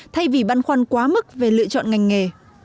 thay vì băn khoăn quá mức về lựa chọn ngành nghề